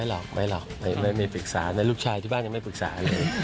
หรอกไม่หรอกไม่มีปรึกษาแต่ลูกชายที่บ้านยังไม่ปรึกษาเลย